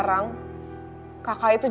aku kangen tau gak sama kakak yang dulu